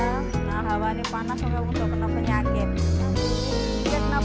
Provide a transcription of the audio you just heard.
nah kalau panas saya udah penuh penyakit